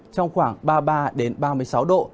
trong khoảng ba mươi ba ba mươi sáu độ